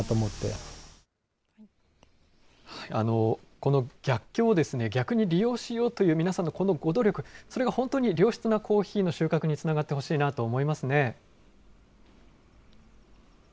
この逆境を、逆に利用しようという皆さんのこのご努力、それが本当に良質なコーヒーの収穫につながってほしいなと思いますね。